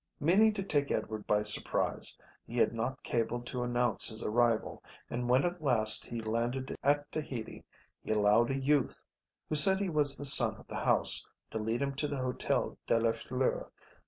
Meaning to take Edward by surprise he had not cabled to announce his arrival, and when at last he landed at Tahiti he allowed a youth, who said he was the son of the house, to lead him to the Hotel de la Fleur.